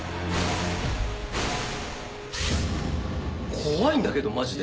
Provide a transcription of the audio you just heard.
怖いんだけどマジで。